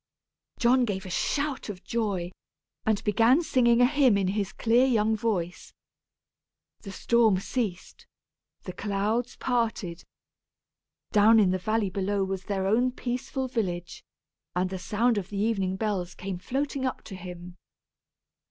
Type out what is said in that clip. John gave a shout of joy, and began singing a hymn in his clear young voice. The storm ceased. The clouds parted. Down in the valley below was their own peaceful village, and the sound of the evening bells came floating up to him.